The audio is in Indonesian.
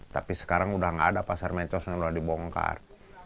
tapi sekarang udah gak ada pasar mencos yang udah dibongkar